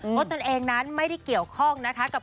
เพราะตนเองนั้นไม่ได้เกี่ยวข้องนะคะ